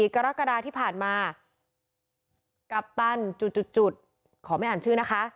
กรกฎาที่ผ่านมากัปตันจุดขอไม่อ่านชื่อนะคะ